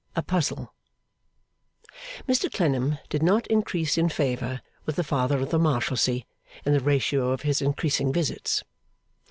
A Puzzle Mr Clennam did not increase in favour with the Father of the Marshalsea in the ratio of his increasing visits.